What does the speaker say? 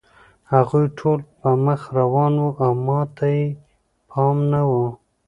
هغوی ټول په مخه روان وو او ما ته یې پام نه و